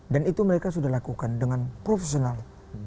dan itu mereka sudah lakukan dengan profesional